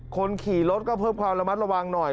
คนขี่รถก็เพิ่มความระมัดระวังหน่อย